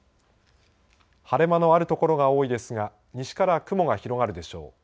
晴れ間のある所が多いですが西から雲が広がるでしょう。